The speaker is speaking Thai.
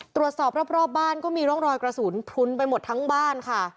ตรวจสอบรอบบ้านก็มีร่องรอยกระสุนพลุนไปหมดทั้งบ้านค่ะ